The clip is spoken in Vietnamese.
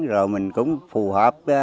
rồi mình cũng phù hợp